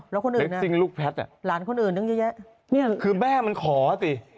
แล้วคนอื่นน่ะร้านคนอื่นนึงเยอะนี่คือแม่มันขอสิ